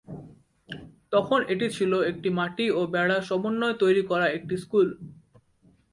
তখন এটি ছিল একটি মাটি ও বেড়ার সমন্বয়ে তৈরি করা একটি স্কুল।